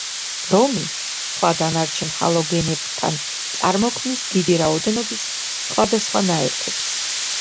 ბრომი სხვა დანარჩენ ჰალოგენებთან წარმოქმნის დიდი რაოდენობის სხვადასხვა ნაერთებს.